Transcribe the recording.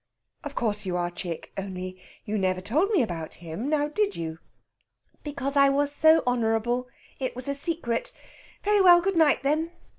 "Of course you are, chick. Only you never told me about him; now, did you?" "Because I was so honourable. It was a secret. Very well, good night, then....